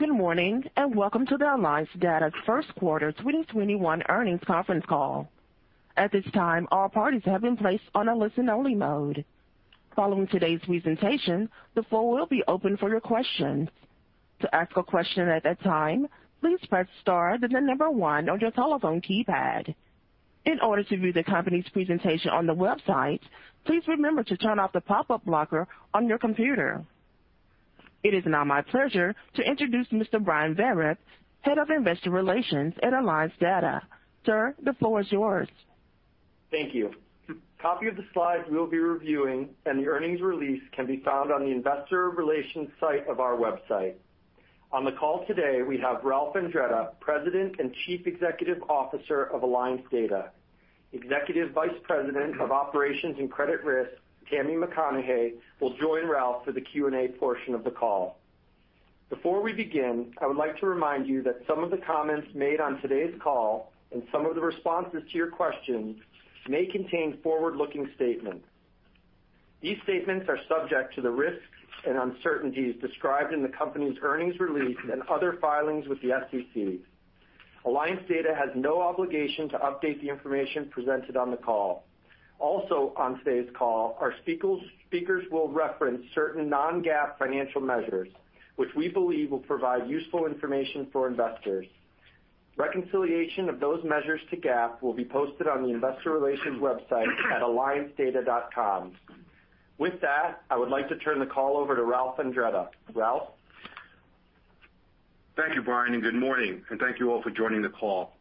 Good morning, and welcome to the Alliance Data first quarter 2021 earnings conference call. At this time, all parties have been placed on a listen-only mode. Following today's presentation, the floor will be open for your questions. To ask a question at that time, please press star, then the number one on your telephone keypad. In order to view the company's presentation on the website, please remember to turn off the pop-up blocker on your computer. It is now my pleasure to introduce Mr. Brian Vereb, Head of Investor Relations at Alliance Data. Sir, the floor is yours. Thank you. A copy of the slides we'll be reviewing and the earnings release can be found on the investor relations site of our website. On the call today, we have Ralph Andretta, President and Chief Executive Officer of Alliance Data. Executive Vice President of Operations and Credit Risk, Tammy Mcconnaughey, will join Ralph for the Q&A portion of the call. Before we begin, I would like to remind you that some of the comments made on today's call, and some of the responses to your questions, may contain forward-looking statements. These statements are subject to the risks and uncertainties described in the company's earnings release and other filings with the SEC. Alliance Data has no obligation to update the information presented on the call. Also, on today's call, our speakers will reference certain non-GAAP financial measures, which we believe will provide useful information for investors. Reconciliation of those measures to GAAP will be posted on the investor relations website at alliancedata.com. With that, I would like to turn the call over to Ralph Andretta. Ralph? Thank you, Brian Vereb, and good morning. Thank you all for joining the call.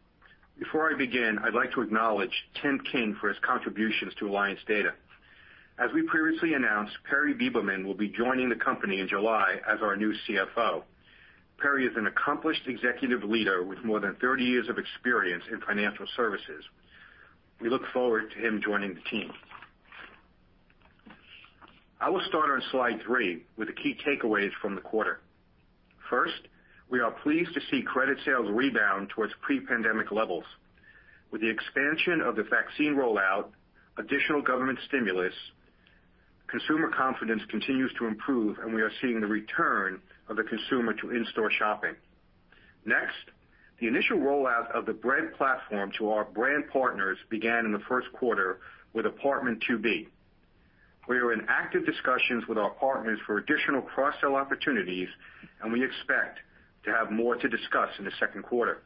Before I begin, I'd like to acknowledge Tim King for his contributions to Alliance Data. As we previously announced, Perry Beberman will be joining the company in July as our new CFO. Perry is an accomplished executive leader with more than 30 years of experience in financial services. We look forward to him joining the team. I will start on slide three with the key takeaways from the quarter. First, we are pleased to see credit sales rebound towards pre-pandemic levels. With the expansion of the vaccine rollout, additional government stimulus, consumer confidence continues to improve, and we are seeing the return of the consumer to in-store shopping. Next, the initial rollout of the Bread platform to our brand partners began in the first quarter with Apt2B. We are in active discussions with our partners for additional cross-sell opportunities, and we expect to have more to discuss in the second quarter.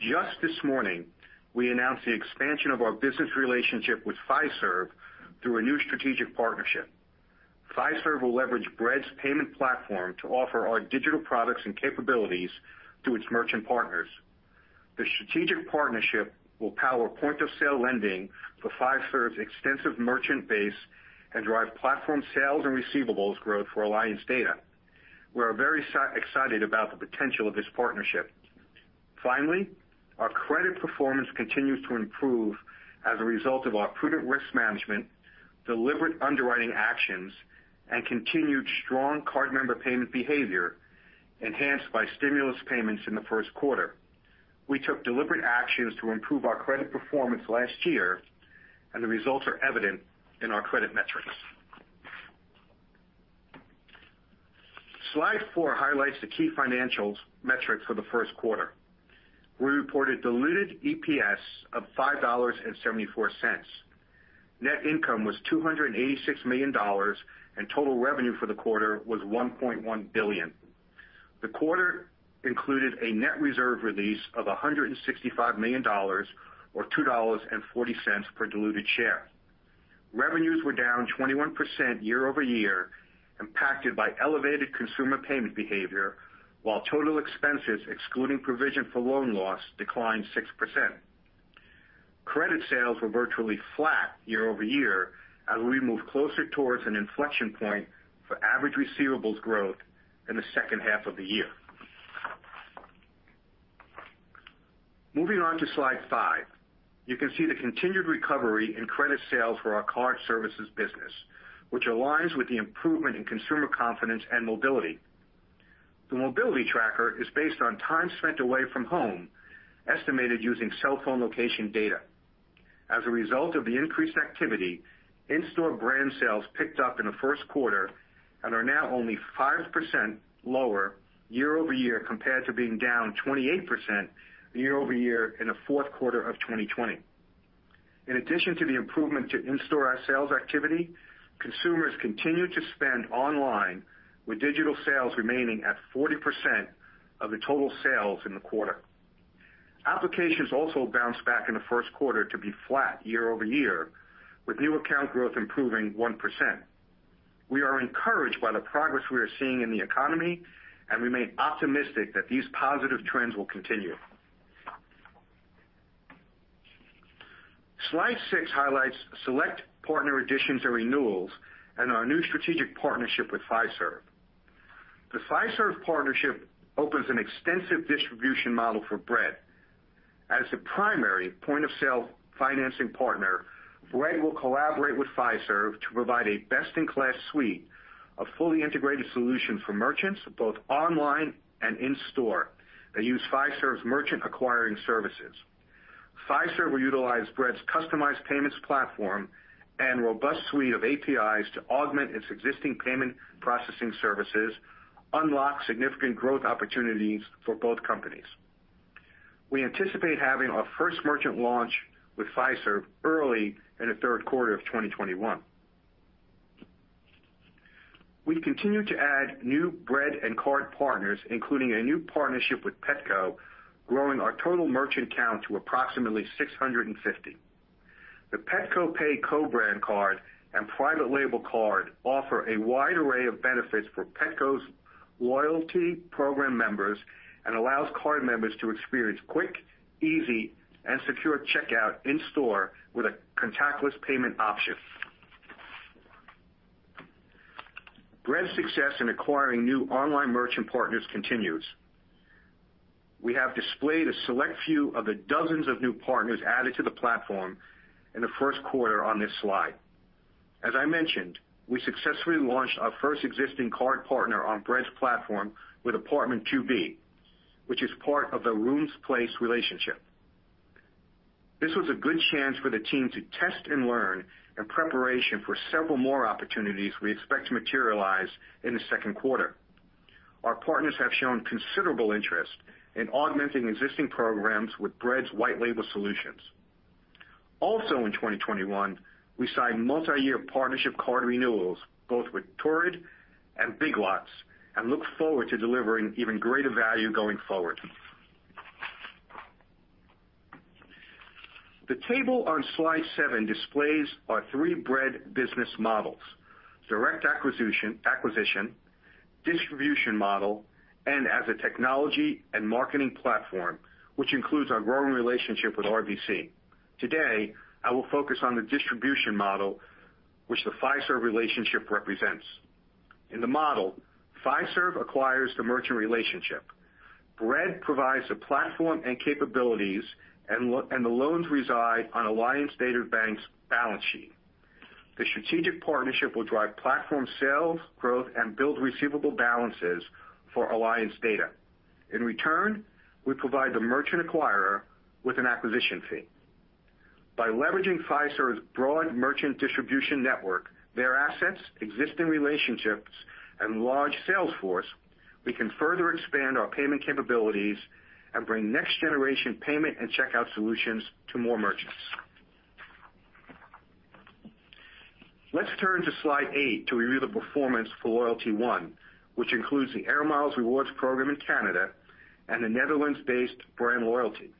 Just this morning, we announced the expansion of our business relationship with Fiserv through a new strategic partnership. Fiserv will leverage Bread's payment platform to offer our digital products and capabilities to its merchant partners. The strategic partnership will power point-of-sale lending for Fiserv's extensive merchant base and drive platform sales and receivables growth for Alliance Data. We're very excited about the potential of this partnership. Finally, our credit performance continues to improve as a result of our prudent risk management, deliberate underwriting actions, and continued strong card member payment behavior enhanced by stimulus payments in the first quarter. We took deliberate actions to improve our credit performance last year, and the results are evident in our credit metrics. Slide four highlights the key financials metrics for the first quarter. We reported diluted EPS of $5.74. Net income was $286 million, and total revenue for the quarter was $1.1 billion. The quarter included a net reserve release of $165 million, or $2.40 per diluted share. Revenues were down 21% year-over-year, impacted by elevated consumer payment behavior, while total expenses, excluding provision for loan loss, declined 6%. Credit sales were virtually flat year-over-year as we move closer towards an inflection point for average receivables growth in the second half of the year. Moving on to slide five. You can see the continued recovery in credit sales for our Card Services business, which aligns with the improvement in consumer confidence and mobility. The mobility tracker is based on time spent away from home, estimated using cell phone location data. As a result of the increased activity, in-store brand sales picked up in the first quarter and are now only 5% lower year-over-year compared to being down 28% year-over-year in the fourth quarter of 2020. In addition to the improvement to in-store sales activity, consumers continued to spend online with digital sales remaining at 40% of the total sales in the quarter. Applications also bounced back in the first quarter to be flat year-over-year, with new account growth improving 1%. We are encouraged by the progress we are seeing in the economy and remain optimistic that these positive trends will continue. Slide six highlights select partner additions and renewals and our new strategic partnership with Fiserv. The Fiserv partnership opens an extensive distribution model for Bread. As the primary point-of-sale financing partner, Bread will collaborate with Fiserv to provide a best-in-class suite of fully integrated solutions for merchants both online and in-store that use Fiserv's merchant acquiring services. Fiserv will utilize Bread's customized payments platform and robust suite of APIs to augment its existing payment processing services, unlock significant growth opportunities for both companies. We anticipate having our first merchant launch with Fiserv early in the third quarter of 2021. We continue to add new Bread and card partners, including a new partnership with Petco, growing our total merchant count to approximately 650. The Petco Pay co-brand card and private label card offer a wide array of benefits for Petco's loyalty program members, and allows card members to experience quick, easy, and secure checkout in-store with a contactless payment option. Bread's success in acquiring new online merchant partners continues. We have displayed a select few of the dozens of new partners added to the platform in the first quarter on this slide. As I mentioned, we successfully launched our first existing card partner on Bread's platform with Apt2B, which is part of The RoomPlace relationship. This was a good chance for the team to test and learn in preparation for several more opportunities we expect to materialize in the second quarter. Our partners have shown considerable interest in augmenting existing programs with Bread's white label solutions. Also in 2021, we signed multi-year partnership card renewals both with Torrid and Big Lots, and look forward to delivering even greater value going forward. The table on slide seven displays our three Bread business models: direct acquisition, distribution model, and as a technology and marketing platform, which includes our growing relationship with RBC. Today, I will focus on the distribution model which the Fiserv relationship represents. In the model, Fiserv acquires the merchant relationship. Bread provides the platform and capabilities, and the loans reside on Alliance Data Bank's balance sheet. The strategic partnership will drive platform sales growth and build receivable balances for Alliance Data. In return, we provide the merchant acquirer with an acquisition fee. By leveraging Fiserv's broad merchant distribution network, their assets, existing relationships, and large sales force, we can further expand our payment capabilities and bring next generation payment and checkout solutions to more merchants. Let's turn to slide eight to review the performance for LoyaltyOne, which includes the Air Miles Rewards program in Canada and the Netherlands-based BrandLoyalty.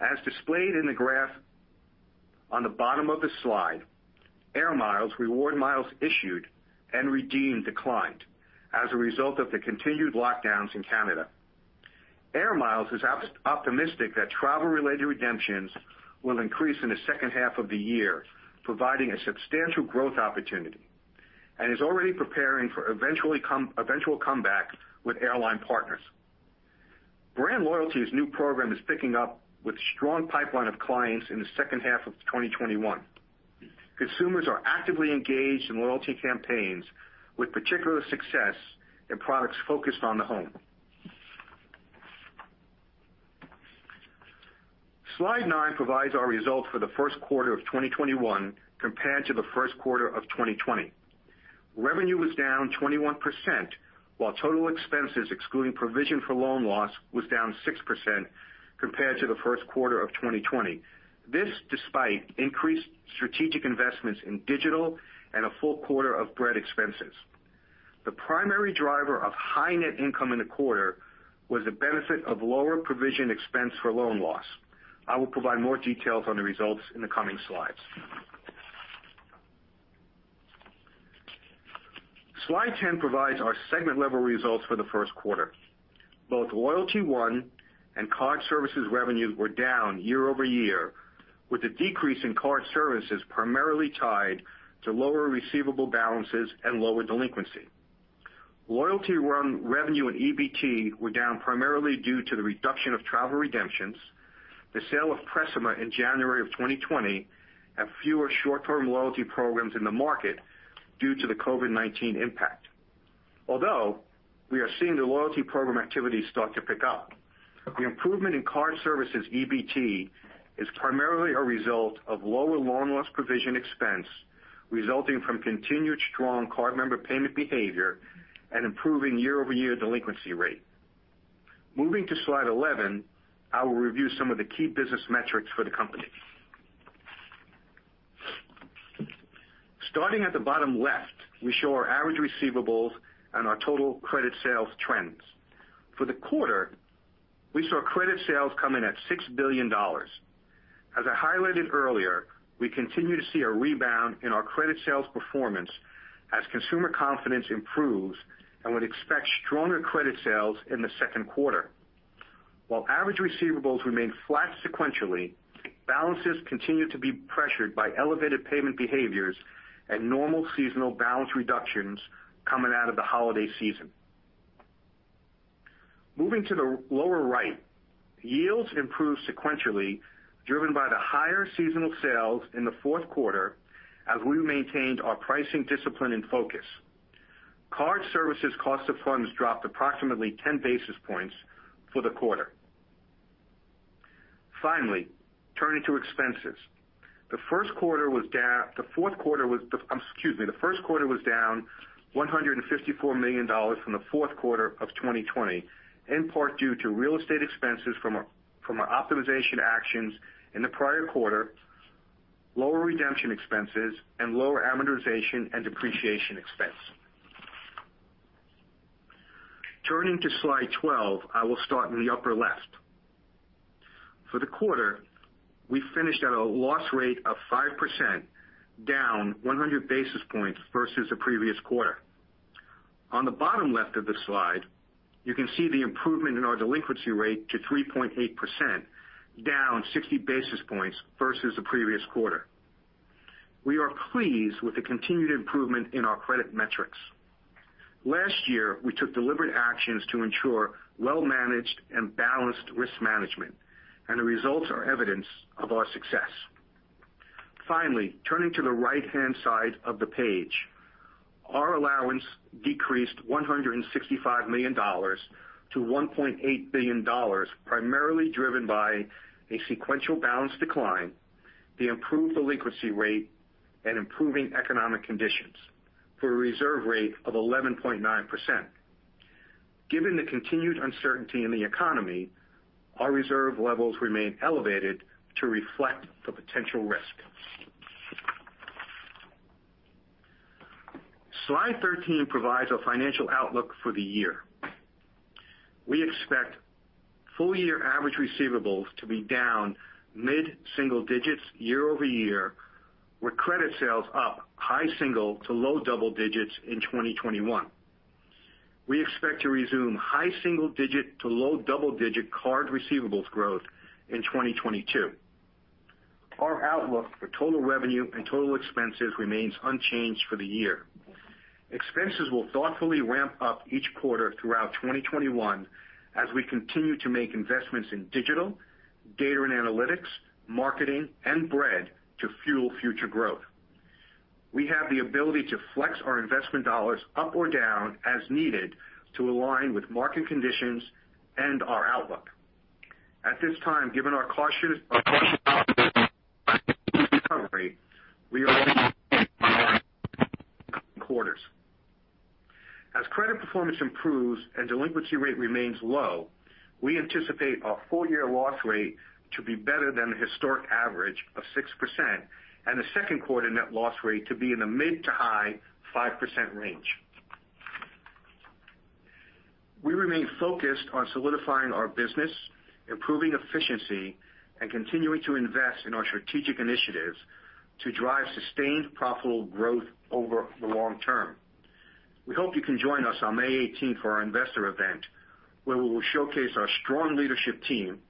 As displayed in the graph on the bottom of the slide, Air Miles reward miles issued and redeemed declined as a result of the continued lockdowns in Canada. Air Miles is optimistic that travel-related redemptions will increase in the second half of the year, providing a substantial growth opportunity, and is already preparing for eventual comeback with airline partners. BrandLoyalty's new program is picking up with a strong pipeline of clients in the second half of 2021. Consumers are actively engaged in loyalty campaigns, with particular success in products focused on the home. Slide nine provides our results for the first quarter of 2021 compared to the first quarter of 2020. Revenue was down 21%, while total expenses, excluding provision for loan loss, was down 6% compared to the first quarter of 2020. This despite increased strategic investments in digital and a full quarter of Bread expenses. The primary driver of high net income in the quarter was the benefit of lower provision expense for loan loss. I will provide more details on the results in the coming slides. Slide 10 provides our segment-level results for the first quarter. Both LoyaltyOne and Card Services revenue were down year-over-year, with the decrease in Card Services primarily tied to lower receivable balances and lower delinquency. LoyaltyOne revenue and EBT were down primarily due to the reduction of travel redemptions, the sale of Precima in January of 2020, and fewer short-term loyalty programs in the market due to the COVID-19 impact. We are seeing the loyalty program activity start to pick up. The improvement in Card Services EBT is primarily a result of lower loan loss provision expense resulting from continued strong card member payment behavior and improving year-over-year delinquency rate. Moving to slide 11, I will review some of the key business metrics for the company. Starting at the bottom left, we show our average receivables and our total credit sales trends. For the quarter, we saw credit sales come in at $6 billion. As I highlighted earlier, we continue to see a rebound in our credit sales performance as consumer confidence improves, and would expect stronger credit sales in the second quarter. While average receivables remained flat sequentially, balances continue to be pressured by elevated payment behaviors and normal seasonal balance reductions coming out of the holiday season. Moving to the lower right, yields improved sequentially, driven by the higher seasonal sales in the fourth quarter as we maintained our pricing discipline and focus. Card Services cost of funds dropped approximately 10 basis points for the quarter. Finally, turning to expenses. The first quarter was down $154 million from the fourth quarter of 2020, in part due to real estate expenses from our optimization actions in the prior quarter, lower redemption expenses, and lower amortization and depreciation expense. Turning to slide 12, I will start in the upper left. For the quarter, we finished at a loss rate of 5%, down 100 basis points versus the previous quarter. On the bottom left of the slide, you can see the improvement in our delinquency rate to 3.8%, down 60 basis points versus the previous quarter. We are pleased with the continued improvement in our credit metrics. Last year, we took deliberate actions to ensure well-managed and balanced risk management. The results are evidence of our success. Finally, turning to the right-hand side of the page. Our allowance decreased $165 million to $1.8 billion, primarily driven by a sequential balance decline, the improved delinquency rate, and improving economic conditions, for a reserve rate of 11.9%. Given the continued uncertainty in the economy, our reserve levels remain elevated to reflect the potential risk. Slide 13 provides a financial outlook for the year. We expect full-year average receivables to be down mid-single digits year-over-year, with credit sales up high single to low double digits in 2021. We expect to resume high single digit to low double-digit card receivables growth in 2022. Our outlook for total revenue and total expenses remains unchanged for the year. Expenses will thoughtfully ramp up each quarter throughout 2021 as we continue to make investments in digital, data and analytics, marketing, and Bread to fuel future growth. We have the ability to flex our investment dollars up or down as needed to align with market conditions and our outlook. At this time, given our cautious recovery, we are quarters. As credit performance improves and delinquency rate remains low, we anticipate our full-year loss rate to be better than the historic average of 6%, and the second quarter net loss rate to be in the mid to high 5% range. We remain focused on solidifying our business, improving efficiency, and continuing to invest in our strategic initiatives to drive sustained profitable growth over the long term. We hope you can join us on May 18th for our investor event, where we will showcase our strong leadership team,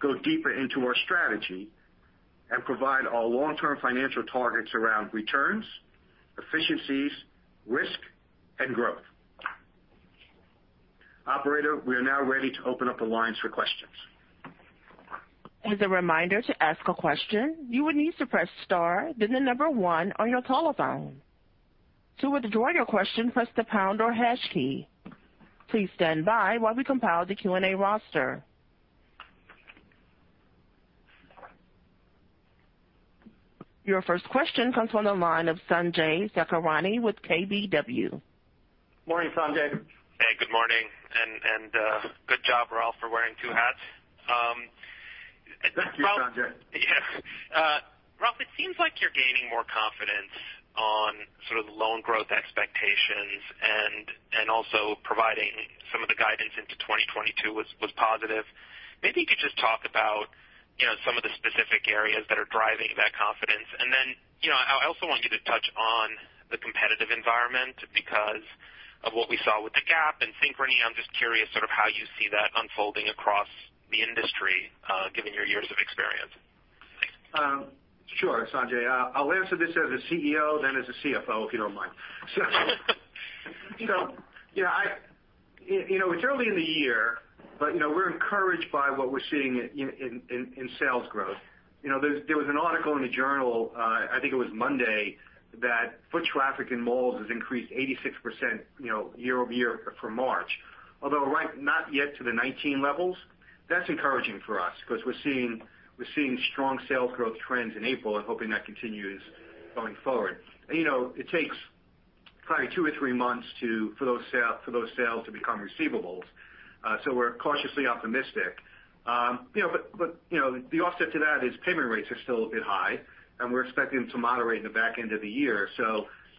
go deeper into our strategy, and provide our long-term financial targets around returns, efficiencies, risk, and growth. Operator, we are now ready to open up the lines for questions. Your first question comes from the line of Sanjay Sakhrani with KBW. Morning, Sanjay. Hey, good morning, and good job, Ralph, for wearing two hats. Thank you, Sanjay. Ralph, it seems like you're gaining more confidence on the loan growth expectations and also providing some of the guidance into 2022 was positive. Maybe you could just talk about some of the specific areas that are driving that confidence, and then I also want you to touch on the competitive environment because of what we saw with the Gap and Synchrony. I'm just curious how you see that unfolding across the industry, given your years of experience. Sure, Sanjay. I'll answer this as a CEO then as a CFO, if you don't mind. It's early in the year, but we're encouraged by what we're seeing in sales growth. There was an article in the journal, I think it was Monday, that foot traffic in malls has increased 86% year-over-year for March. Although not yet to the 2019 levels, that's encouraging for us because we're seeing strong sales growth trends in April and hoping that continues going forward. It takes probably two or three months for those sales to become receivables, so we're cautiously optimistic. The offset to that is payment rates are still a bit high, and we're expecting them to moderate in the back end of the year.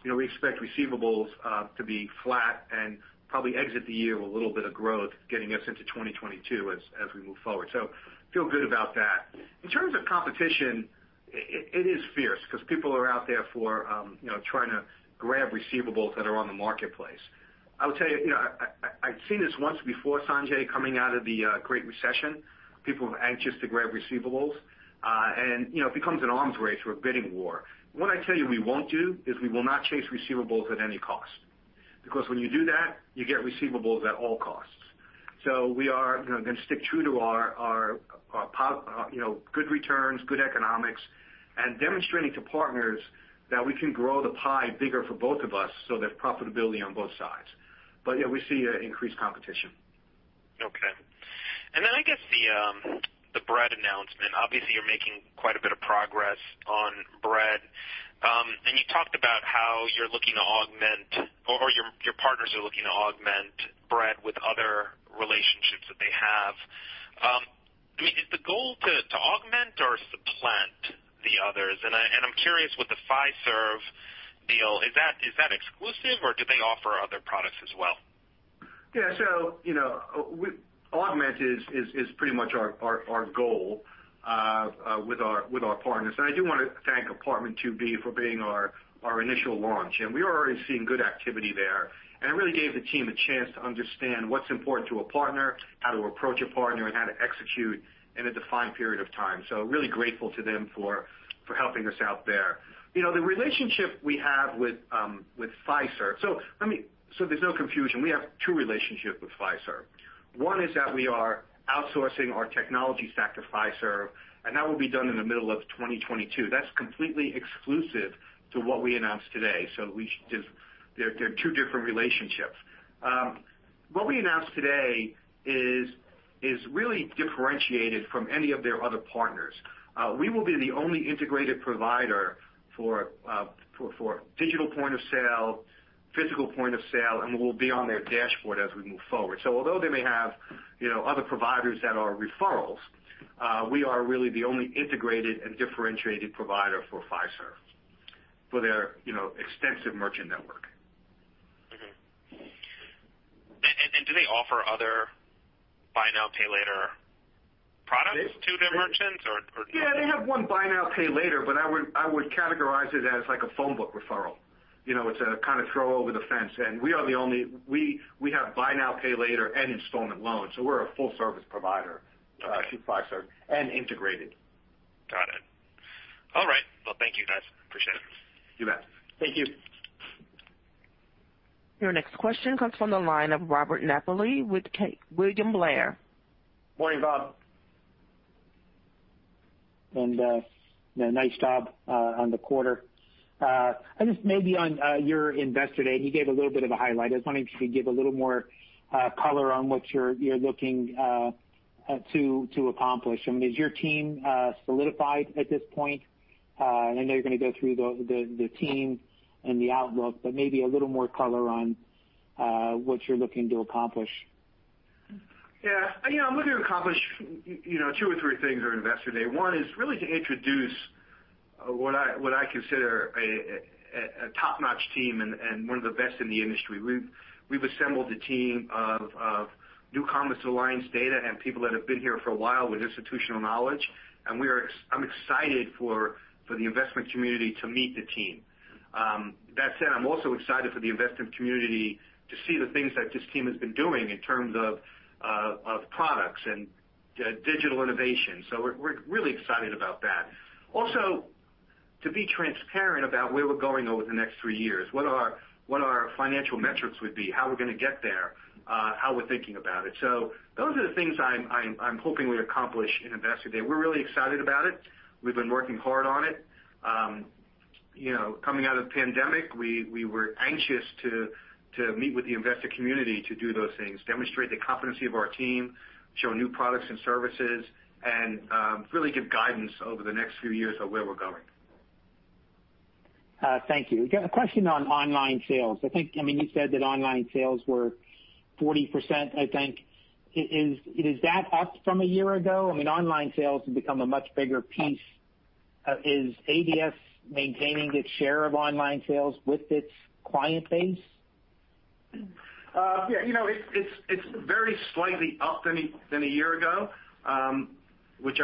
We expect receivables to be flat and probably exit the year with a little bit of growth getting us into 2022 as we move forward. Feel good about that. In terms of competition, it is fierce because people are out there trying to grab receivables that are on the marketplace. I'll tell you, I've seen this once before, Sanjay, coming out of the Great Recession. People were anxious to grab receivables. It becomes an arms race or a bidding war. What I tell you we won't do is we will not chase receivables at any cost. Because when you do that, you get receivables at all costs. We are going to stick true to our good returns, good economics, and demonstrating to partners that we can grow the pie bigger for both of us, so there's profitability on both sides. Yeah, we see increased competition. Okay. I guess the Bread announcement. Obviously, you're making quite a bit of progress on Bread. You talked about how your partners are looking to augment Bread with other relationships that they have. Is the goal to augment or supplant the others? I'm curious what the Fiserv deal, is that exclusive or do they offer other products as well? Yeah. Augment is pretty much our goal with our partners. I do want to thank Apt2B for being our initial launch. We are already seeing good activity there. It really gave the team a chance to understand what's important to a partner, how to approach a partner, and how to execute in a defined period of time. Really grateful to them for helping us out there. The relationship we have with Fiserv. There's no confusion, we have two relationships with Fiserv. One is that we are outsourcing our technology stack to Fiserv, that will be done in the middle of 2022. That's completely exclusive to what we announced today. They're two different relationships. What we announced today is really differentiated from any of their other partners. We will be the only integrated provider for digital point of sale, physical point of sale, and we will be on their dashboard as we move forward. Although they may have other providers that are referrals, we are really the only integrated and differentiated provider for Fiserv for their extensive merchant network. Okay. Do they offer other buy now, pay later products to their merchants? Yeah, they have one buy now, pay later, I would categorize it as like a phone book referral. It's a kind of throw over the fence. We have buy now, pay later and installment loans, so we're a full service provider to Fiserv and integrated. Got it. All right. Well, thank you guys. Appreciate it. You bet. Thank you. Your next question comes from the line of Robert Napoli with William Blair. Morning, Bob. Nice job on the quarter. I guess maybe on your Investor Day, you gave a little bit of a highlight. I was wondering if you could give a little more color on what you're looking to accomplish. Is your team solidified at this point? I know you're going to go through the team and the outlook, but maybe a little more color on what you're looking to accomplish. I'm looking to accomplish two or three things at our Investor Day. One is really to introduce what I consider a top-notch team and one of the best in the industry. We've assembled a team of New Commerce Alliance Data and people that have been here for a while with institutional knowledge, and I'm excited for the investment community to meet the team. That said, I'm also excited for the investment community to see the things that this team has been doing in terms of products and digital innovation. We're really excited about that. To be transparent about where we're going over the next three years, what our financial metrics would be, how we're going to get there, how we're thinking about it. Those are the things I'm hoping we accomplish in Investor Day. We're really excited about it. We've been working hard on it. Coming out of the pandemic, we were anxious to meet with the investor community to do those things, demonstrate the competency of our team, show new products and services, and really give guidance over the next few years of where we're going. Thank you. A question on online sales. You said that online sales were 40%, I think. Is that up from a year ago? Online sales have become a much bigger piece. Is ADS maintaining its share of online sales with its client base? It's very slightly up than a year ago, which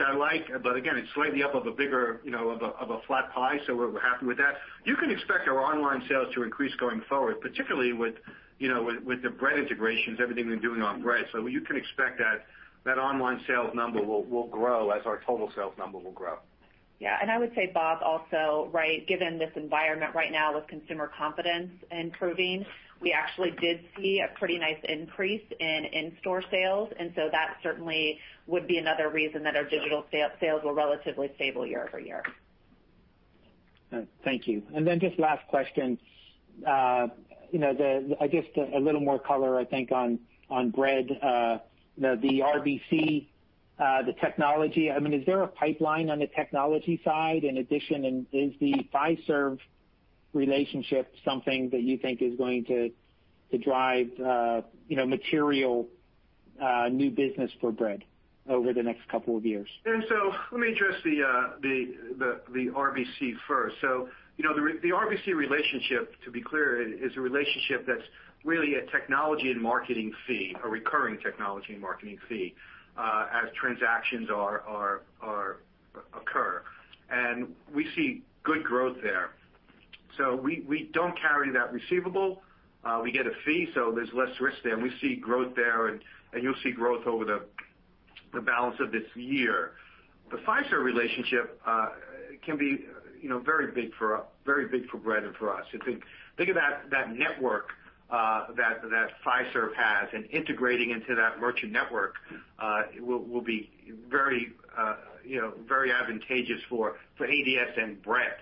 I like. Again, it's slightly up of a flat pie, so we're happy with that. You can expect our online sales to increase going forward, particularly with the Bread integrations, everything we've been doing on Bread. You can expect that online sales number will grow as our total sales number will grow. Yeah. I would say, Bob, also, given this environment right now with consumer confidence improving, we actually did see a pretty nice increase in in-store sales. That certainly would be another reason that our digital sales were relatively stable year-over-year. Thank you. Just last question. I guess a little more color, I think, on Bread. The RBC, the technology. Is there a pipeline on the technology side in addition, and is the Fiserv relationship something that you think is going to drive material new business for Bread over the next couple of years? Let me address the RBC first. The RBC relationship, to be clear, is a relationship that's really a technology and marketing fee, a recurring technology and marketing fee as transactions occur. We see good growth there. We don't carry that receivable. We get a fee, so there's less risk there. We see growth there, and you'll see growth over the balance of this year. The Fiserv relationship can be very big for Bread and for us. Think about that network that Fiserv has and integrating into that merchant network will be very advantageous for ADS and Bread.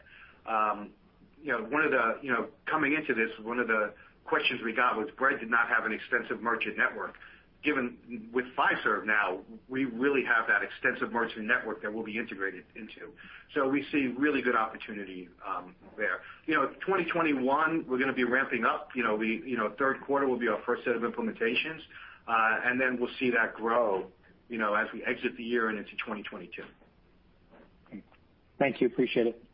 Coming into this, one of the questions we got was Bread did not have an extensive merchant network. Given with Fiserv now, we really have that extensive merchant network that we'll be integrated into. We see really good opportunity there. 2021, we're going to be ramping up. third quarter will be our first set of implementations, and then we'll see that grow as we exit the year and into 2022. Thank you. Appreciate it.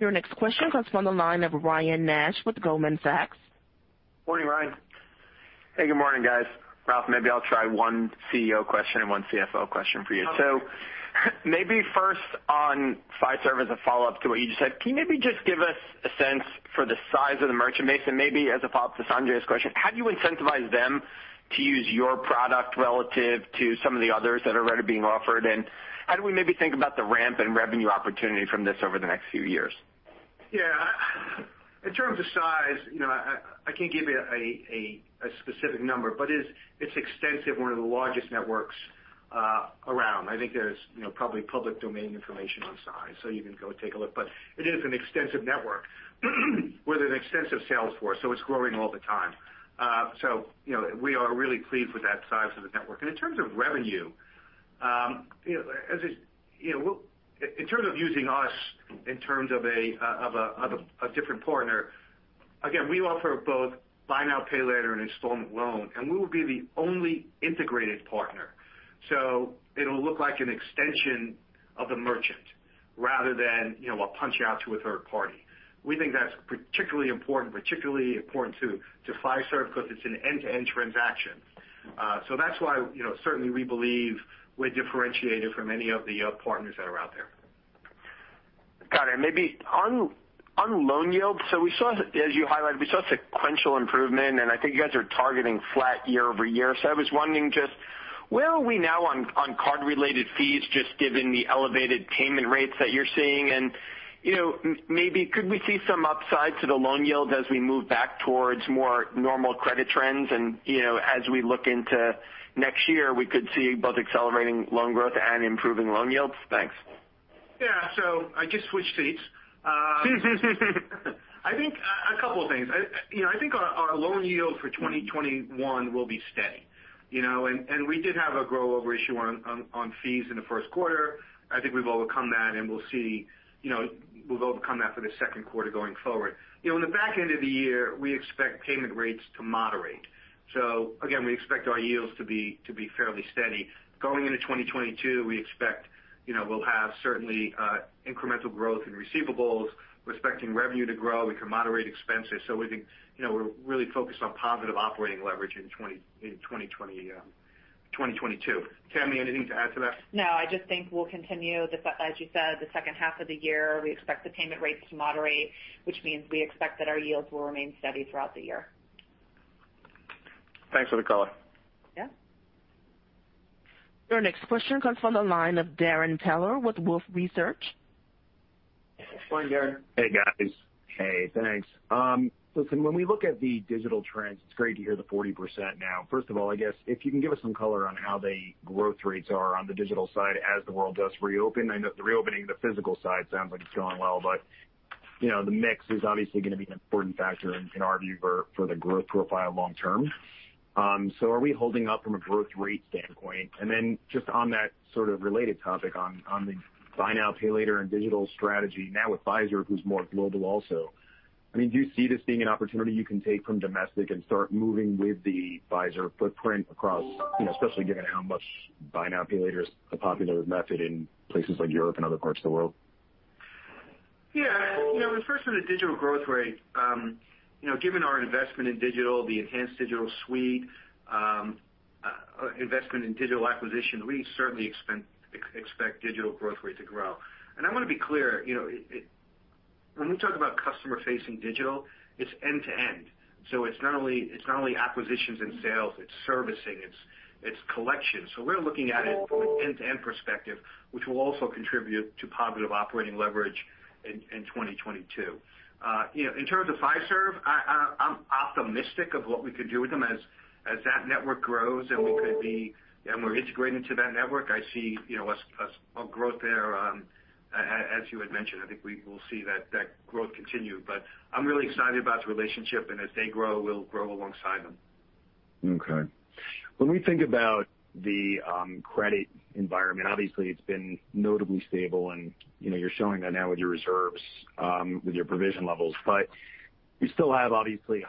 Your next question comes from the line of Ryan Nash with Goldman Sachs. Morning, Ryan. Hey, good morning, guys. Ralph, maybe I'll try one CEO question and one CFO question for you. Okay. Maybe first on Fiserv as a follow-up to what you just said. Can you maybe just give us a sense for the size of the merchant base, and maybe as a follow-up to Sanjay's question, how do you incentivize them to use your product relative to some of the others that are already being offered, and how do we maybe think about the ramp and revenue opportunity from this over the next few years? Yeah. In terms of size I can't give you a specific number, but it's extensive. One of the largest networks around. I think there's probably public domain information on size, you can go take a look. It is an extensive network with an extensive sales force, so it's growing all the time. We are really pleased with that size of the network. In terms of revenue, in terms of using us in terms of a different partner, again, we offer both buy now, pay later and installment loan, and we will be the only integrated partner. It'll look like an extension of the merchant rather than a punch out to a third party. We think that's particularly important to Fiserv because it's an end-to-end transaction. That's why certainly we believe we're differentiated from any of the partners that are out there. Got it. Maybe on loan yield. As you highlighted, we saw sequential improvement, and I think you guys are targeting flat year-over-year. I was wondering just where are we now on card-related fees, just given the elevated payment rates that you're seeing? Maybe could we see some upside to the loan yield as we move back towards more normal credit trends and as we look into next year, we could see both accelerating loan growth and improving loan yields? Thanks. Yeah. I just switched seats. I think a couple of things. I think our loan yield for 2021 will be steady. We did have a grow-over issue on fees in the first quarter. I think we've overcome that, and we'll see we've overcome that for the second quarter going forward. In the back end of the year, we expect payment rates to moderate. Again, we expect our yields to be fairly steady. Going into 2022, we expect we'll have certainly incremental growth in receivables. We're expecting revenue to grow. We can moderate expenses, we think we're really focused on positive operating leverage in 2022. Tammy, anything to add to that? No, I just think we'll continue the, as you said, the second half of the year, we expect the payment rates to moderate, which means we expect that our yields will remain steady throughout the year. Thanks for the color. Yeah. Your next question comes from the line of Darrin Peller with Wolfe Research. Morning, Darrin. Hey, guys. Hey, thanks. Listen, when we look at the digital trends, it's great to hear the 40% now. First of all, I guess if you can give us some color on how the growth rates are on the digital side as the world does reopen. I know the reopening of the physical side sounds like it's going well, but the mix is obviously going to be an important factor in our view for the growth profile long term. Are we holding up from a growth rate standpoint? Just on that sort of related topic on the buy now, pay later and digital strategy, now with Fiserv, who's more global also. Do you see this being an opportunity you can take from domestic and start moving with the Fiserv footprint across, especially given how much buy now, pay later is a popular method in places like Europe and other parts of the world? Yeah. The first one is digital growth rate. Given our investment in digital, the enhanced digital suite, investment in digital acquisition, we certainly expect digital growth rate to grow. I want to be clear, when we talk about customer-facing digital, it's end-to-end. It's not only acquisitions and sales, it's servicing, it's collection. We're looking at it from an end-to-end perspective, which will also contribute to positive operating leverage in 2022. In terms of Fiserv, I'm optimistic of what we could do with them as that network grows and we're integrated into that network. I see a growth there. As you had mentioned, I think we will see that growth continue. I'm really excited about the relationship, and as they grow, we'll grow alongside them. Okay. When we think about the credit environment, obviously it's been notably stable, and you're showing that now with your reserves, with your provision levels. You still have obviously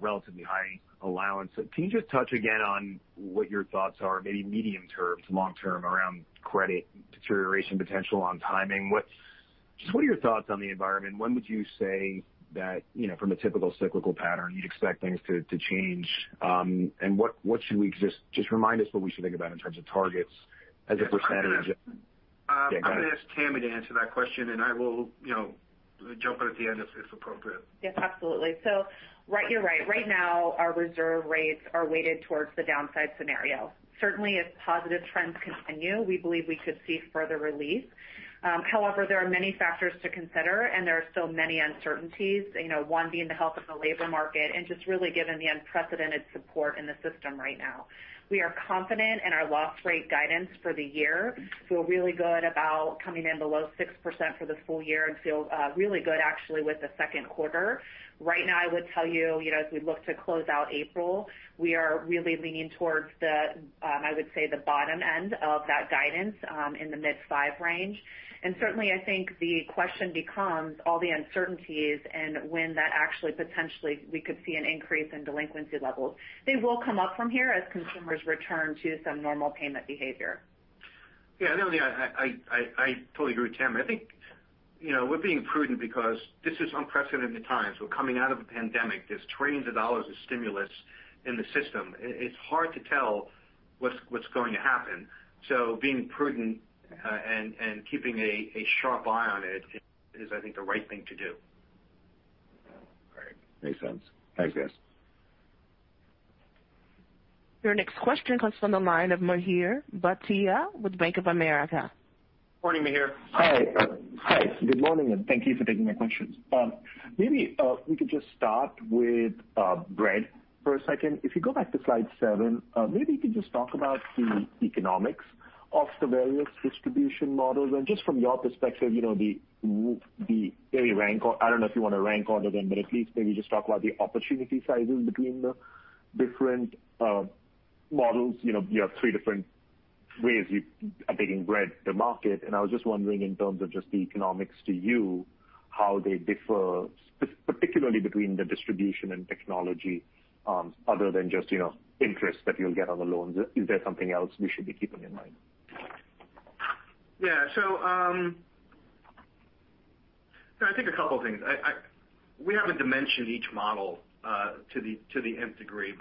relatively high allowance. Can you just touch again on what your thoughts are, maybe medium-term to long-term around credit deterioration potential on timing? Just what are your thoughts on the environment? When would you say that from a typical cyclical pattern, you'd expect things to change? Just remind us what we should think about in terms of targets as a percentage- I'm going to ask Tammy to answer that question, and I will jump in at the end if appropriate. Yes, absolutely. You're right. Right now, our reserve rates are weighted towards the downside scenario. Certainly, if positive trends continue, we believe we could see further relief. However, there are many factors to consider, and there are still many uncertainties, one being the health of the labor market and just really given the unprecedented support in the system right now. We are confident in our loss rate guidance for the year. Feel really good about coming in below 6% for the full year and feel really good actually with the second quarter. Right now, I would tell you as we look to close out April, we are really leaning towards the, I would say, the bottom end of that guidance in the mid-5 range. Certainly, I think the question becomes all the uncertainties and when that actually potentially we could see an increase in delinquency levels. They will come up from here as consumers return to some normal payment behavior. Yeah. No, I totally agree with Tammy. I think we're being prudent because this is unprecedented times. We're coming out of a pandemic. There's trillions of dollars of stimulus in the system. It's hard to tell what's going to happen. Being prudent and keeping a sharp eye on it is, I think, the right thing to do. Great. Makes sense. Thanks, guys. Your next question comes from the line of Mihir Bhatia with Bank of America. Morning, Mihir. Hi. Hi. Good morning, and thank you for taking my questions. Maybe if we could just start with Bread for a second. If you go back to slide seven, maybe you could just talk about the economics of the various distribution models and just from your perspective, maybe rank or I don't know if you want to rank order them, but at least maybe just talk about the opportunity sizes between the different models. You have three different ways you are taking Bread to market, and I was just wondering in terms of just the economics to you, how they differ, particularly between the distribution and technology other than just interest that you'll get on the loans. Is there something else we should be keeping in mind? I think a couple of things. We haven't dimensioned each model to the nth degree.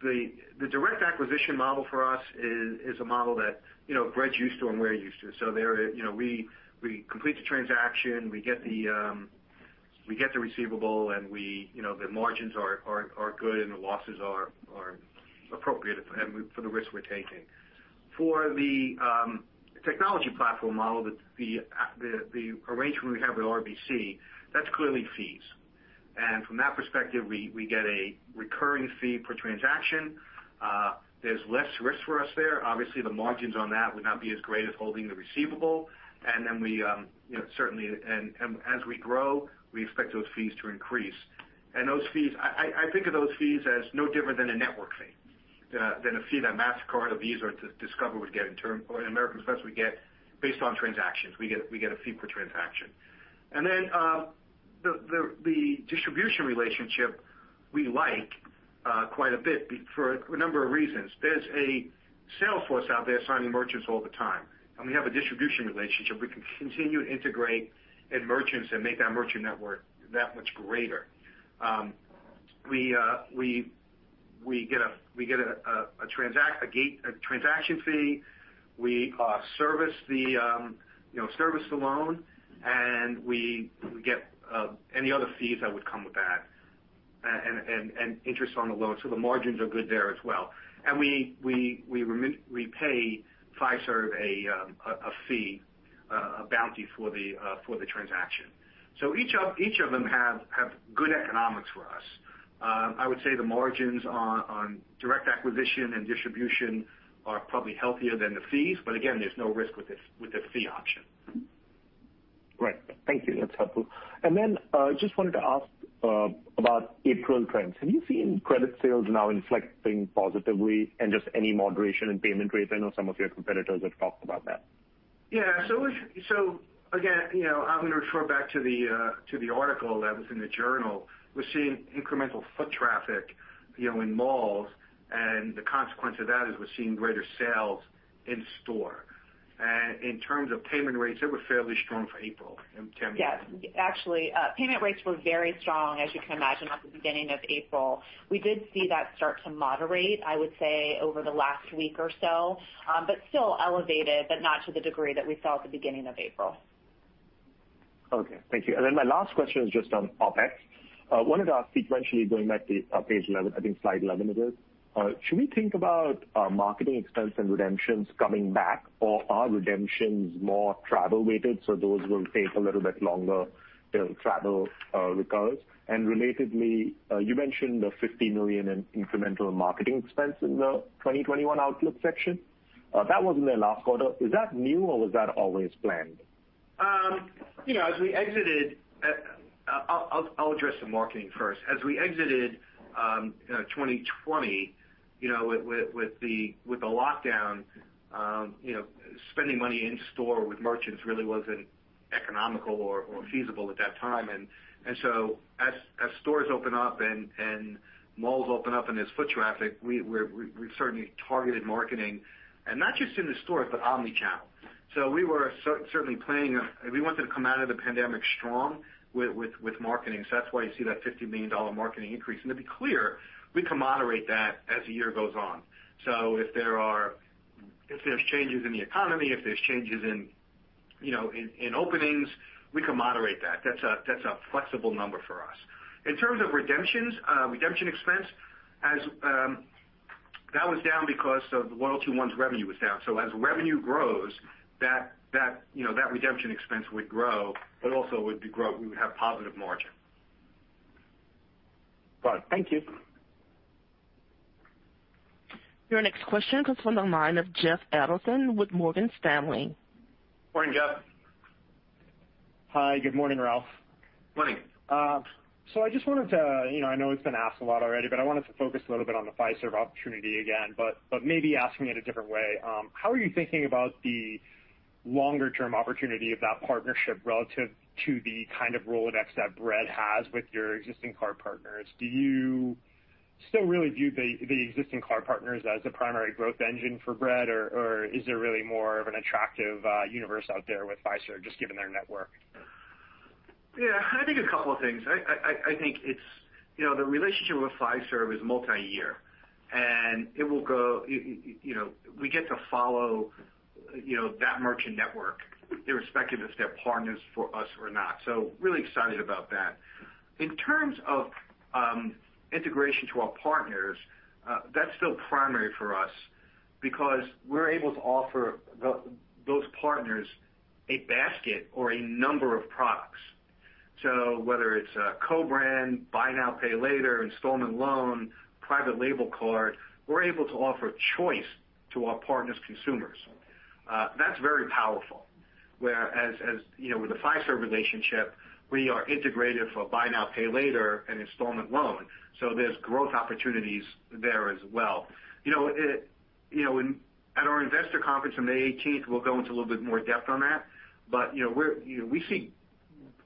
The direct acquisition model for us is a model that Bread's used to and we're used to. We complete the transaction, we get the receivable, and the margins are good and the losses are appropriate for the risk we're taking. For the technology platform model, the arrangement we have with RBC, that's clearly fees. From that perspective, we get a recurring fee per transaction. There's less risk for us there. Obviously, the margins on that would not be as great as holding the receivable. As we grow, we expect those fees to increase. I think of those fees as no different than a network fee, than a fee that Mastercard or Visa or Discover would get in term, or an American Express would get based on transactions. We get a fee per transaction. The distribution relationship we like quite a bit for a number of reasons. There's a sales force out there signing merchants all the time. When we have a distribution relationship, we can continue to integrate add merchants and make that merchant network that much greater. We get a transaction fee. We service the loan, and we get any other fees that would come with that and interest on the loan. The margins are good there as well. We pay Fiserv a fee, a bounty for the transaction. Each of them have good economics for us. I would say the margins on direct acquisition and distribution are probably healthier than the fees. Again, there's no risk with the fee option. Great. Thank you. That's helpful. Then, just wanted to ask about April trends. Have you seen credit sales now inflecting positively and just any moderation in payment rates? I know some of your competitors have talked about that. Yeah. Again, I'm going to refer back to the article that was in the journal. We're seeing incremental foot traffic in malls, and the consequence of that is we're seeing greater sales in store. In terms of payment rates, they were fairly strong for April. Tammy? Yes. Actually, payment rates were very strong, as you can imagine, at the beginning of April. We did see that start to moderate, I would say, over the last week or so. Still elevated, but not to the degree that we saw at the beginning of April. Okay. Thank you. My last question is just on OpEx. Wanted to ask sequentially going back to page 11, I think slide 11 it is. Should we think about marketing expense and redemptions coming back, or are redemptions more travel-weighted, so those will take a little bit longer till travel recovers? Relatedly, you mentioned the $50 million in incremental marketing expense in the 2021 outlook section. That was in the last quarter. Is that new, or was that always planned? I'll address the marketing first. As we exited 2020 with the lockdown, spending money in store with merchants really wasn't economical or feasible at that time. As stores open up and malls open up and there's foot traffic, we've certainly targeted marketing, and not just in the stores, but omnichannel. We were certainly planning. We wanted to come out of the pandemic strong with marketing, that's why you see that $50 million marketing increase. To be clear, we can moderate that as the year goes on. If there's changes in the economy, if there's changes in openings, we can moderate that. That's a flexible number for us. In terms of redemptions, redemption expense, that was down because the LoyaltyOne's revenue was down. As revenue grows, that redemption expense would grow, but also we would have positive margin. Bud, thank you. Your next question comes from the line of Jeffrey Adelson with Morgan Stanley. Morning, Jeffrey. Hi, good morning, Ralph. Morning. I know it's been asked a lot already, but I wanted to focus a little bit on the Fiserv opportunity again, but maybe ask me in a different way. How are you thinking about the longer-term opportunity of that partnership relative to the kind of Rolodex that Bread has with your existing card partners? Do you still really view the existing card partners as the primary growth engine for Bread, or is there really more of an attractive universe out there with Fiserv just given their network? Yeah, I think a couple of things. I think the relationship with Fiserv is multi-year, and we get to follow that merchant network irrespective if they're partners for us or not. Really excited about that. In terms of integration to our partners, that's still primary for us because we're able to offer those partners a basket or a number of products. Whether it's a co-brand, buy now, pay later, installment loan, private label card, we're able to offer choice to our partners' consumers. That's very powerful. Whereas with the Fiserv relationship, we are integrated for buy now, pay later and installment loan, there's growth opportunities there as well. At our investor conference on the 18th, we'll go into a little bit more depth on that. We see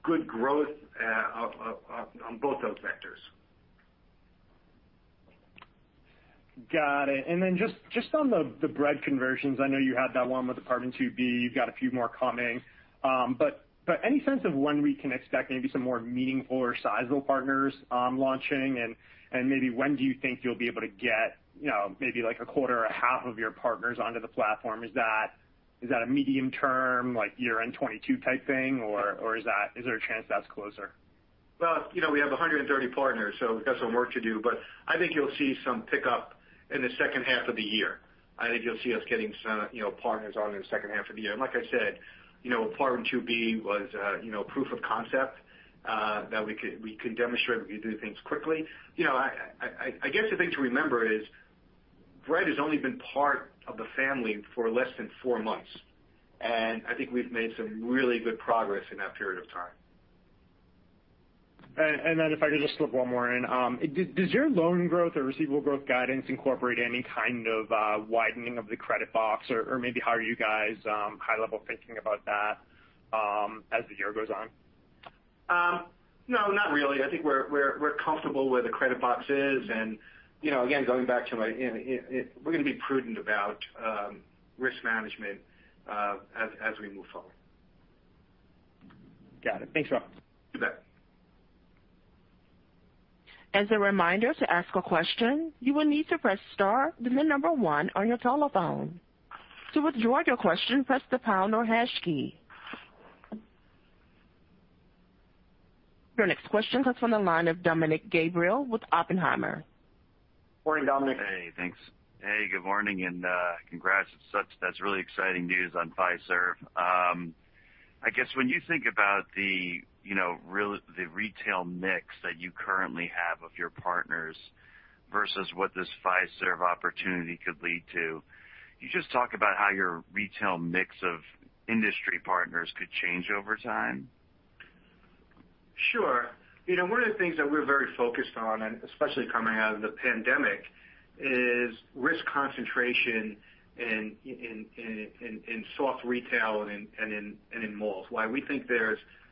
good growth on both those vectors. Got it. Just on the Bread conversions, I know you had that one with Apt2B, you've got a few more coming. Any sense of when we can expect maybe some more meaningful or sizable partners launching and maybe when do you think you'll be able to get maybe a quarter or a half of your partners onto the platform? Is that a medium term, like year-end 2022 type thing, or is there a chance that's closer? We have 130 partners, so we've got some work to do, but I think you'll see some pickup in the second half of the year. I think you'll see us getting some partners on in the second half of the year. Like I said, Apt2B was proof of concept that we could demonstrate we could do things quickly. I guess the thing to remember is Bread has only been part of the family for less than four months, and I think we've made some really good progress in that period of time. If I could just slip one more in. Does your loan growth or receivable growth guidance incorporate any kind of widening of the credit box or maybe how are you guys high level thinking about that as the year goes on? No, not really. I think we're comfortable where the credit box is. We're going to be prudent about risk management as we move forward. Got it. Thanks, Ralph. You bet. As a reminder, to ask a question, you will need to press star, then the number one on your telephone. To withdraw your question, press the pound or hash key. Your next question comes from the line of Dominick Gabriele with Oppenheimer. Morning, Dominick. Hey, thanks. Hey, good morning and congrats. That's really exciting news on Fiserv. I guess when you think about the retail mix that you currently have of your partners versus what this Fiserv opportunity could lead to, can you just talk about how your retail mix of industry partners could change over time? Sure. One of the things that we're very focused on, especially coming out of the pandemic, is risk concentration in soft retail and in malls. While we think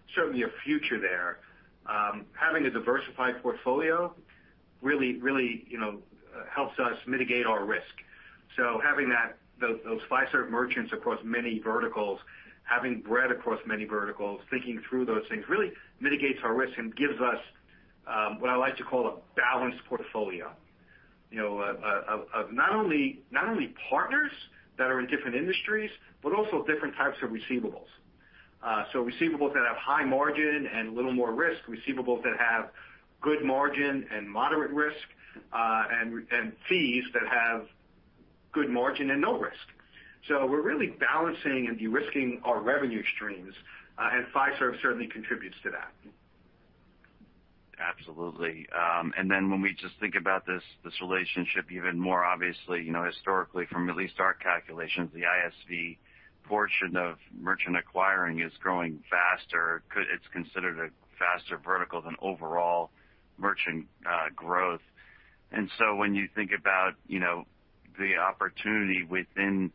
there's certainly a future there, having a diversified portfolio really helps us mitigate our risk. Having those Fiserv merchants across many verticals, having Bread across many verticals, thinking through those things really mitigates our risk and gives us what I like to call a balanced portfolio of not only partners that are in different industries, but also different types of receivables. Receivables that have high margin and little more risk, receivables that have good margin and moderate risk, and fees that have good margin and no risk. We're really balancing and de-risking our revenue streams, Fiserv certainly contributes to that. Absolutely. When we just think about this relationship even more obviously, historically from at least our calculations, the ISV portion of merchant acquiring is growing faster. It's considered a faster vertical than overall merchant growth. When you think about the opportunity within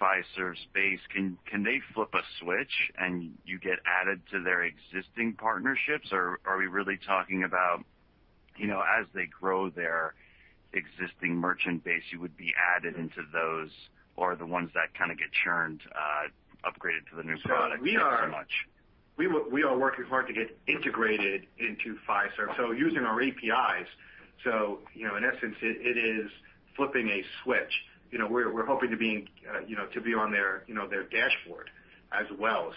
Fiserv's space, can they flip a switch and you get added to their existing partnerships? Are we really talking about as they grow their existing merchant base, you would be added into those or the ones that kind of get churned, upgraded to the new product. Thanks so much. We are working hard to get integrated into Fiserv. Using our APIs. In essence, it is flipping a switch. We're hoping to be on their dashboard as well.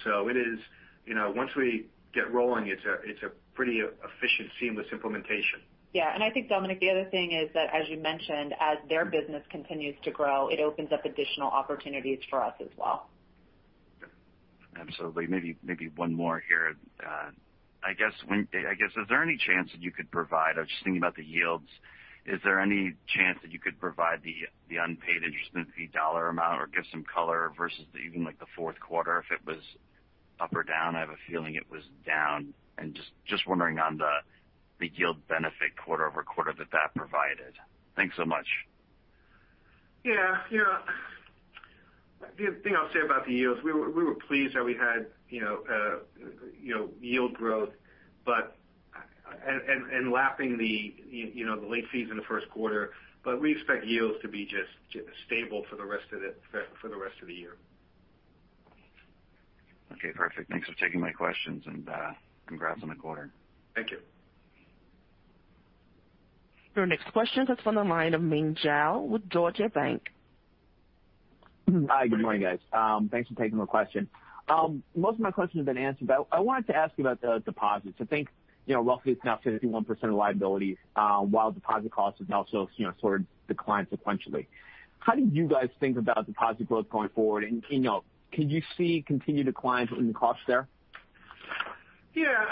Once we get rolling, it's a pretty efficient, seamless implementation. Yeah. I think, Dominick, the other thing is that, as you mentioned, as their business continues to grow, it opens up additional opportunities for us as well. Absolutely. Maybe one more here. I was just thinking about the yields. Is there any chance that you could provide the unpaid interest fee dollar amount or give some color versus even like the fourth quarter, if it was up or down? I have a feeling it was down, just wondering on the yield benefit quarter-over-quarter that provided. Thanks so much. Yeah. The thing I'll say about the yields, we were pleased that we had yield growth and lapping the late fees in the first quarter, but we expect yields to be just stable for the rest of the year. Okay, perfect. Thanks for taking my questions. Congrats on the quarter. Thank you. Your next question comes from the line of Meng Jiao with Deutsche Bank. Hi. Good morning, guys. Thanks for taking my question. Most of my questions have been answered, but I wanted to ask about the deposits. I think roughly it's now 31% of liabilities, while deposit costs has also sort of declined sequentially. How do you guys think about deposit growth going forward? Can you see continued declines in costs there? Yeah.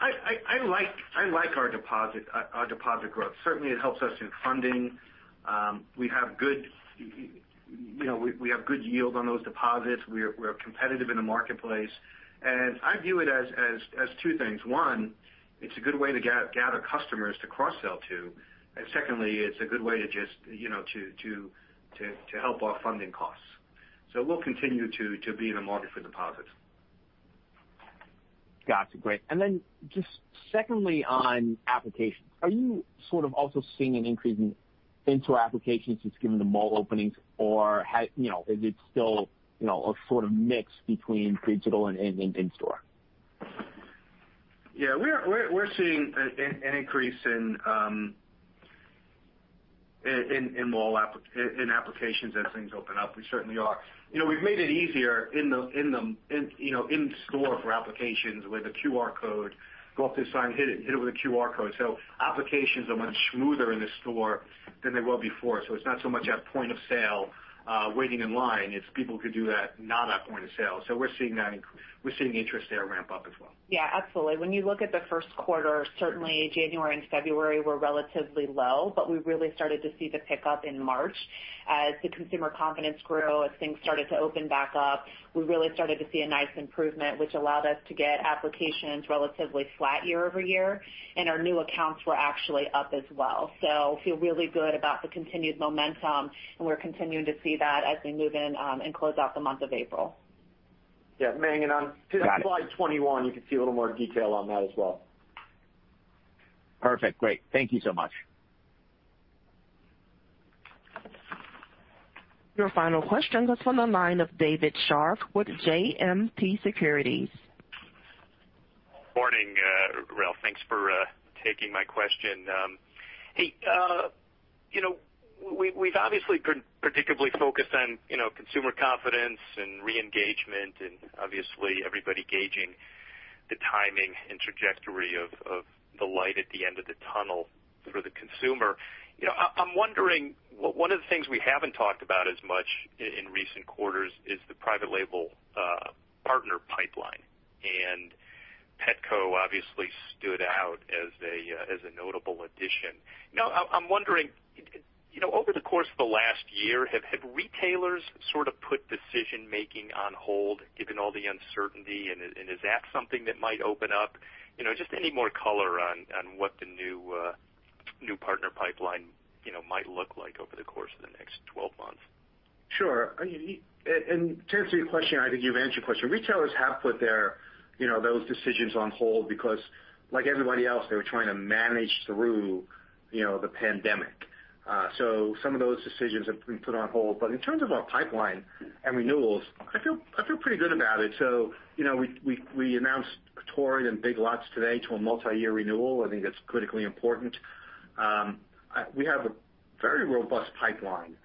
I like our deposit growth. Certainly it helps us in funding. We have good yields on those deposits. We're competitive in the marketplace. I view it as two things. One, it's a good way to gather customers to cross-sell to. Secondly, it's a good way to help our funding costs. We'll continue to be in the market for deposits. Got you. Great. Then just secondly on applications, are you sort of also seeing an increase in in-store applications just given the mall openings, or is it still a sort of mix between digital and in-store? We're seeing an increase in applications as things open up. We certainly are. We've made it easier in-store for applications with a QR code. Go up to the sign, hit it with a QR code. Applications are much smoother in the store than they were before. It's not so much at point of sale, waiting in line. It's people could do that not at point of sale. We're seeing interest there ramp up as well. Yeah. Absolutely. When you look at the first quarter, certainly January and February were relatively low, but we really started to see the pickup in March as the consumer confidence grew, as things started to open back up. We really started to see a nice improvement, which allowed us to get applications relatively flat year-over-year, and our new accounts were actually up as well. Feel really good about the continued momentum, and we're continuing to see that as we move in and close out the month of April. Yeah. Meng, on slide 21, you can see a little more detail on that as well. Perfect. Great. Thank you so much. Your final question comes from the line of David Scharf with JMP Securities. Morning, Ralph. Thanks for taking my question. Hey, we've obviously been particularly focused on consumer confidence and re-engagement, and obviously everybody gauging the timing and trajectory of the light at the end of the tunnel for the consumer. I'm wondering, one of the things we haven't talked about as much in recent quarters is the private label partner pipeline, and Petco obviously stood out as a notable addition. I'm wondering, over the course of the last year, have retailers sort of put decision-making on hold given all the uncertainty, and is that something that might open up? Just any more color on what the new partner pipeline might look like over the course of the next 12 months. Sure. To answer your question, I think you've answered your question. Retailers have put those decisions on hold because like everybody else, they were trying to manage through the pandemic. Some of those decisions have been put on hold. In terms of our pipeline and renewals, I feel pretty good about it. We announced Torrid and Big Lots today to a multiyear renewal. I think that's critically important. We have a very robust pipeline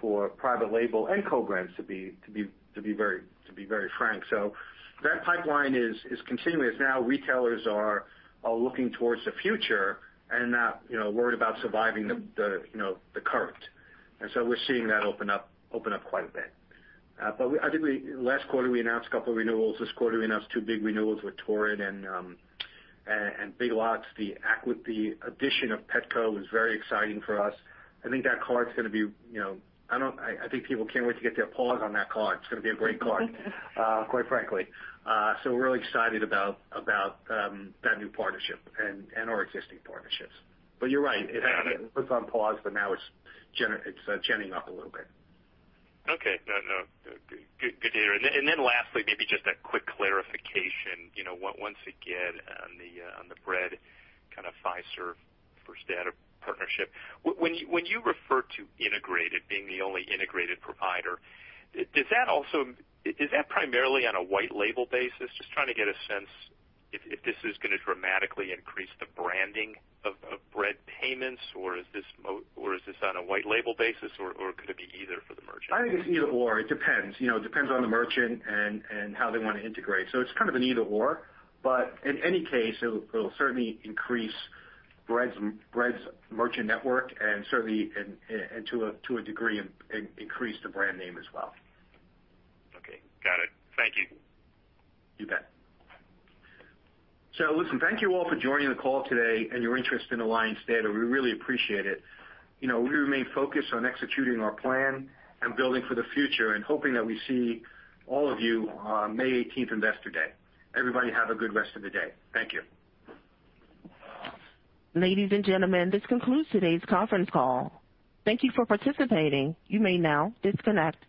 for private label and co-brands to be very frank. That pipeline is continuous now. Retailers are looking towards the future and not worried about surviving the current. We're seeing that open up quite a bit. I think last quarter we announced a couple of renewals. This quarter we announced two big renewals with Torrid and Big Lots. The addition of Petco was very exciting for us. I think people can't wait to get their paws on that card. It's going to be a great card, quite frankly. We're really excited about that new partnership and our existing partnerships. You're right. It was on pause, but now it's genning up a little bit. Okay. No, good to hear. Lastly, maybe just a quick clarification. Once again, on the Bread kind of Fiserv First Data partnership. When you refer to integrated, being the only integrated provider, is that primarily on a white label basis? Just trying to get a sense if this is going to dramatically increase the branding of Bread Payments, or is this on a white label basis, or could it be either for the merchant? I think it's either/or. It depends. It depends on the merchant and how they want to integrate. It's kind of an either/or, but in any case, it'll certainly increase Bread's merchant network and certainly to a degree increase the brand name as well. Okay. Got it. Thank you. You bet. Listen, thank you all for joining the call today and your interest in Alliance Data. We really appreciate it. We remain focused on executing our plan and building for the future and hoping that we see all of you on May 18th, Investor Day. Everybody have a good rest of the day. Thank you. Ladies and gentlemen, this concludes today's conference call. Thank you for participating. You may now disconnect.